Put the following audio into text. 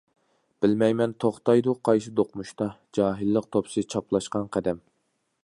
بىلمەيمەن توختايدۇ قايسى دوقمۇشتا، جاھىللىق توپىسى چاپلاشقان قەدەم.